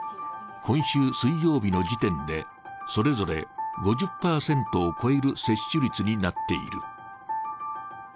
今週水曜日の時点で、それぞれ５０％を超える接種率になっている。